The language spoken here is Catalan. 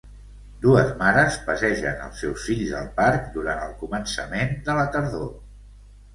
Dues mares passegen els seus fills al parc durant el començament de la tardor